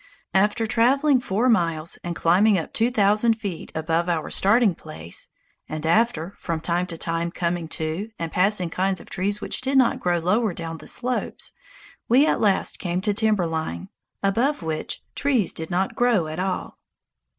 After traveling four miles and climbing up two thousand feet above our starting place, and, after from time to time coming to and passing kinds of trees which did not grow lower down the slopes, we at last came to timber line, above which trees did not grow at all.